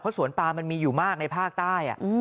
เพราะสวนปลามันมีอยู่มากในภาคใต้อะ